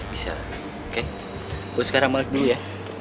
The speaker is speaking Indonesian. bisa oke gue sekarang mau pergi ya